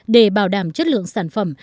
để bảo đảm chất lượng sản phẩm